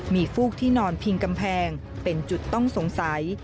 มีฟูกที่นอนพิงกำแพงเป็นจุดต้องสงสัย